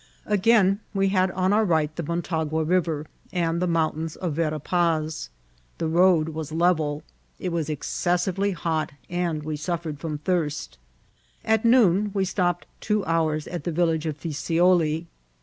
Again we had on our right tfie Motagua River and the mountains of Vera Paz. The road was level ; it was excessively hot, and we suffered from thirst. At noon we stopped two hours at the village of Fisioli.